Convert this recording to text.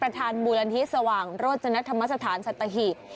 ทางมูลนิทธิสว่างรถจนธรรมสถานสัตตาหีบ